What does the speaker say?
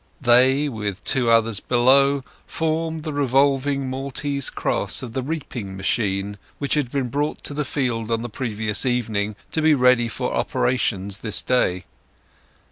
They, with two others below, formed the revolving Maltese cross of the reaping machine, which had been brought to the field on the previous evening to be ready for operations this day.